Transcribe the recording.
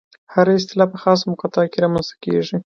هره اصطلاح په خاصه مقطع کې رامنځته کېږي.